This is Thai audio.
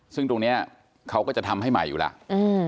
ซึ่งตรงเนี้ยเขาก็จะทำให้ใหม่อยู่แล้ว